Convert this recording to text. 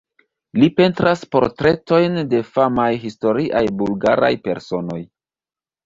Li pentras portretojn de famaj historiaj bulgaraj personoj.